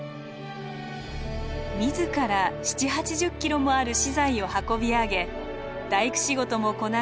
自ら７０８０ｋｇもある資材を運び上げ大工仕事もこなして山小屋を改築。